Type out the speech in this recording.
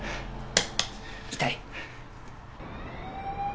痛い。